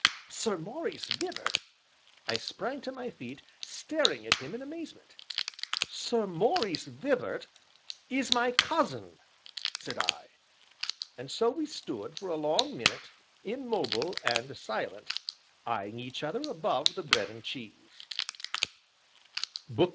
"Sir Maurice Vibart?" I sprang to my feet, staring at him in amazement. "Sir Maurice Vibart is my cousin," said I. And so we stood, for a long minute, immobile and silent, eyeing each other above the bread and cheese.